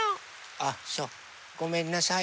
あっそうごめんなさい。